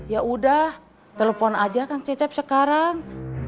yaudah telepon aja kang cecep sekarang